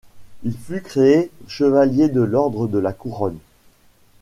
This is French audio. Il fut créé chevalier de l'ordre de la Couronne.